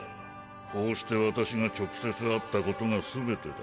こうして私が直接会ったことが全てだ。